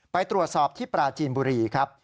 ไปตรวจสอบที่ปราจีนบุรีครับ